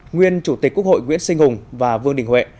nguyên chủ tịch quốc hội nguyễn sinh hùng và vương đình huệ